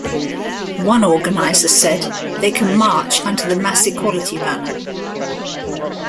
One organizer said: They can march under the MassEquality banner.